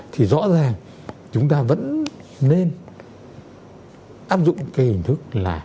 thì rõ ràng chúng ta vẫn nên áp dụng cái hình thức là